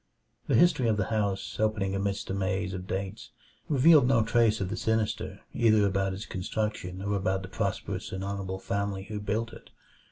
The history of the house, opening amidst a maze of dates, revealed no trace of the sinister either about its construction or about the prosperous and honorable family who built it.